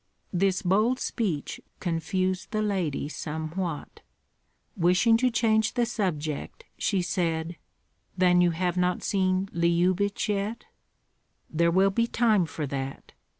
This bold speech confused the lady somewhat. Wishing to change the subject, she said, "Then you have not seen Lyubich yet?" "There will be time for that.